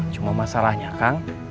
cuma masalahnya kang